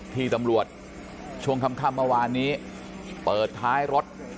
ที่ตำรวจช่วงค่ำเมื่อวานนี้เปิดท้ายรถ